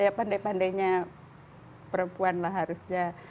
ya pandai pandainya perempuan lah harusnya